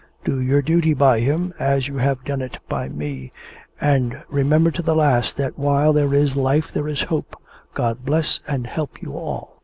Do your duty by him, as you have done it by me; and remember to the last, that while there is life there is hope. God bless and help you all!"